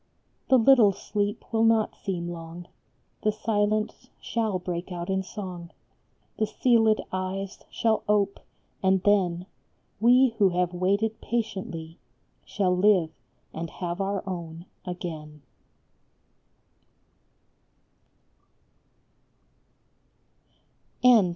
ISO AN EASTER SONG. The little sleep will not seem long, The silence shall break out in song, The sealed eyes shall ope, and then We who have waited patiently Shall live and have our own again.